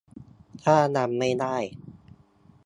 ถ้ายังไม่ได้